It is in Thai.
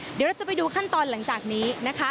เดี๋ยวเราจะไปดูขั้นตอนหลังจากนี้นะคะ